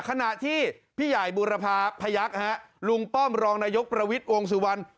ขณะที่พี่ใหญ่บูรพาพยักษ์ลุงป้อมรองนายกประวิทย์วงสุวรรณ